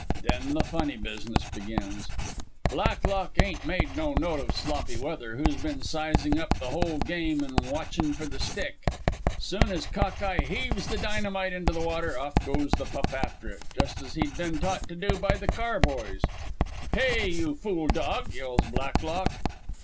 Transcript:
"Then the funny business begins. "Blacklock ain't made no note of Sloppy Weather, who's been sizing up the whole game an' watchin' for the stick. Soon as Cock eye heaves the dynamite into the water, off goes the pup after it, just as he'd been taught to do by the car boys. "'Hey, you fool dog!' yells Blacklock.